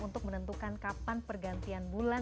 untuk menentukan kapan pergantian bulan